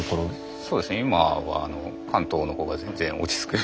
そうですね今はもう関東の方が全然落ち着く。